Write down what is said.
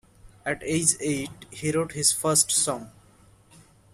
At age eight, he wrote his first song.